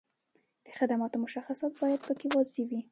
د خدماتو مشخصات باید په کې واضح وي.